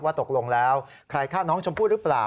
ตกลงแล้วใครฆ่าน้องชมพู่หรือเปล่า